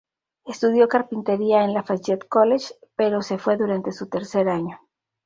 Estudió carpintería en Lafayette College, pero se fue durante su tercer año.